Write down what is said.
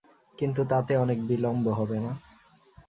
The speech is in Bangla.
কিন্তু তাতে অনেক বিলম্ব হবে না?